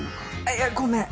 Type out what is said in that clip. いやごめん。